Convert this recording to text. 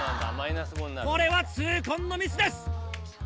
これは痛恨のミスです！